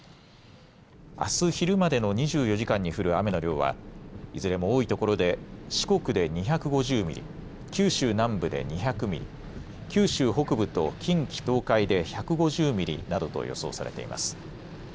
あす昼までの２４時間に降る雨の量はいずれも多いところで四国で２５０ミリ、九州南部で２００ミリ、九州北部と近畿、東海で１５０ミリなどと予想されています。